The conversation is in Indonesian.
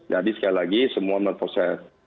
jadi sekali lagi semua melalui proses